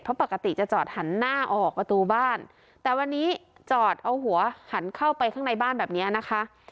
เพราะปกติจะจอดหันหน้าออกประตูบ้านแต่วันนี้จอดเอาหัวหันเข้าไปข้างในบ้านแบบนี้นะคะ